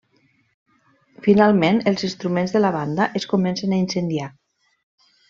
Finalment els instruments de la banda es comencen a incendiar.